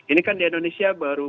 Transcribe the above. ini kan di indonesia baru